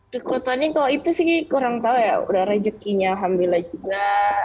kekuatannya kalau itu sih kurang tahu ya udah rezekinya alhamdulillah juga